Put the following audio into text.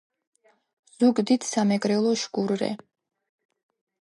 ზუგდიდ სამარგალოშ გურ რე